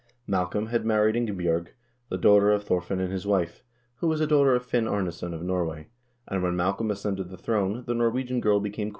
Malcolm had married Inge bj0rg, the daughter of Thorfinn and his wife, who was a daughter of Finn Arnesson of Norway, and when Malcolm ascended the throne, the Norwegian girl became queen of Scotland.